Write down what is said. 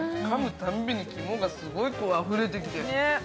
たんびに肝がすごいあふれてきて。